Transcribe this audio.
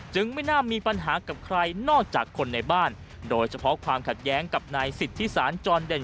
ไม่น่ามีปัญหากับใครนอกจากคนในบ้านโดยเฉพาะความขัดแย้งกับนายสิทธิสารจรเด่น